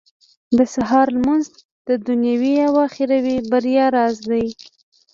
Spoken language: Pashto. • د سهار لمونځ د دنيوي او اخروي بريا راز دی.